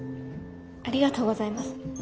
ありがとうございます。